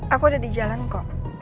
aku ada di jalan kok